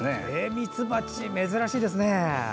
ミツバチ、珍しいですね。